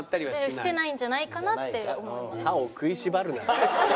してないんじゃないかなって思います。